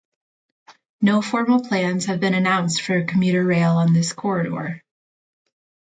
No formal plans have been announced for commuter rail on this corridor.